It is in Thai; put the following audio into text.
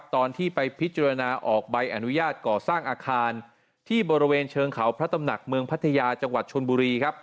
ตอนที่ไปพิจารณาออกใบอนุญาตก่อสร้างอาคารที่บริเวณเชิงเขาพระตำหนักเมืองพัทยาจังหวัดชนบุรีครับ